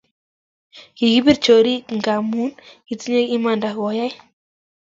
Kikipir chorik ngamun kitinye imanda kuyai